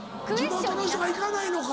地元の人が行かないのか。